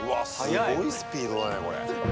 すごいスピードだね、これ。